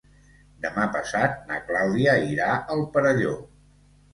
Demà passat na Clàudia irà al Perelló.